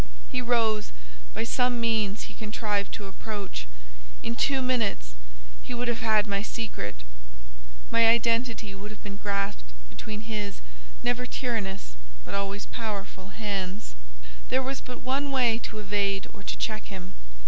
He rose, by some means he contrived to approach, in two minutes he would have had my secret: my identity would have been grasped between his, never tyrannous, but always powerful hands. There was but one way to evade or to check him.